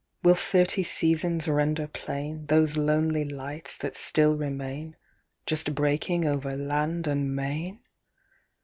"Will thirty seasons render plain Those lonely lights that still remain, Just breaking over land and main?